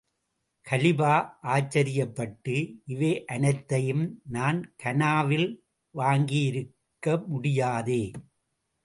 Khalifa ஆச்சரியப்பட்டு, இவையனைத்தையும் நான்கணாலில் வாங்கியிருக்க முடியாதே!